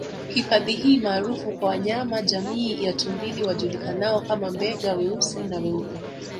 Hifadhi hii maarufu kwa wanyama jamii ya tumbili wajulikanao kama Mbega weusi na weupe